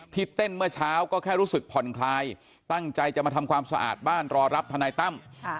เต้นเมื่อเช้าก็แค่รู้สึกผ่อนคลายตั้งใจจะมาทำความสะอาดบ้านรอรับทนายตั้ม